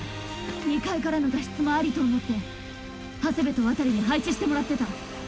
２階からの脱出もアリと思って長谷部と渡に配置してもらってた。